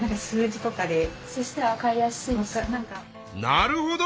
なるほど！